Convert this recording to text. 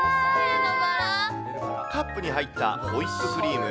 カップに入ったホイップクリーム。